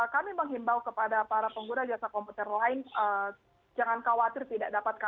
kami menghimbau kepada para pengguna jasa komputer lain jangan khawatir tidak dapat kabar